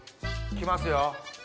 来ますよ。